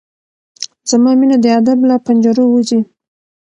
زما مينه د ادب له پنجرو وځي